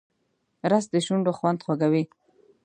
رس د شونډو خوند خوږوي